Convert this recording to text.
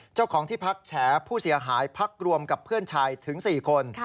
เจ้าของที่พักแฉผู้เสียหายพักรวมกับเพื่อนชายถึง๔คน